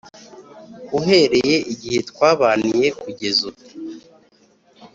uhereye igihe twabaniye kugeza ubu